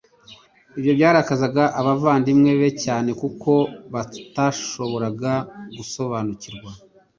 Ibyo byarakazaga abayandimwe be cyane kuko batashoboraga gusobanukirwa